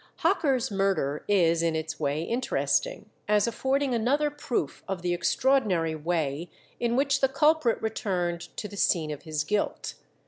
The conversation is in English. Hocker's murder is in its way interesting, as affording another proof of the extraordinary way in which the culprit returned to the scene of his guilt.